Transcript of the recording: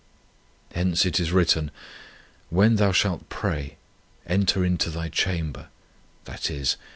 Hence it is written :" When thou shalt pray, enter into thy chamber " i.e.